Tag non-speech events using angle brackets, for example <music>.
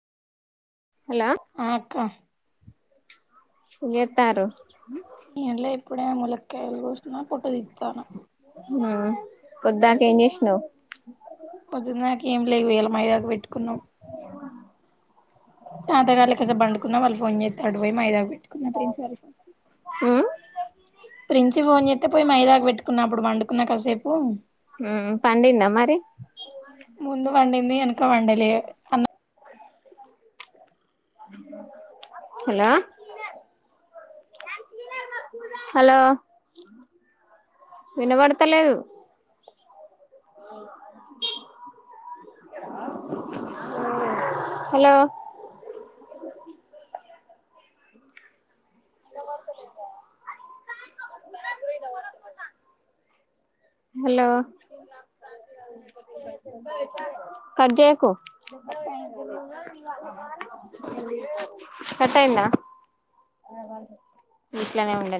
Hello. ఆ అక్క. ఎట్టారు. ఏం లే ఇప్పుడు ములకాయలు కోసిన పొట్టు దిత్తాన. ఆ పద్దక ఏం చేసినావు. వద్దు నాక ఏం లేవు వళ మైదాకా పెట్టుకున్నాం. తాగాళ్లకిస బండుకున్నా వాళ్ళు ఫోన్ చేస్తాడు పోయి మైదా పిన్. ఆఫ్రిన్ చల్ మ్మ్ ప్రిన్స్ ఫోన్ చేన్. పోయి మైదాకు పెట్టుకున్నప్పుడు వండుకున్నా కాసేపు. హమ్ పండిందా మరి. ముందు వడిీంది ఎనక వండలే. <inaudible> హలో. హలో వినబడతలేదు. హలో. హలో. కట్ చేయకు. కట్ అయిందా. అ ఇట్లనే ఉండన్.